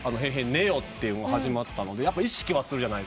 ＮＥＯ！』が始まったので意識はするじゃないですか。